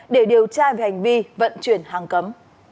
để điều tra về hành vi vận chuyển hàng cấm